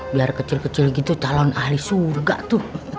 biar kecil kecil gitu calon ahli surga tuh